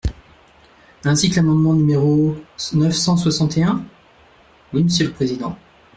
Ainsi que l’amendement numéro neuf cent soixante et un ? Oui, monsieur le président.